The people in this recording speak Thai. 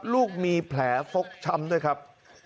ลูกมีแผลฟกช้ำด้วยครับ